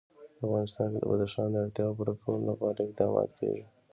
په افغانستان کې د بدخشان د اړتیاوو پوره کولو لپاره اقدامات کېږي.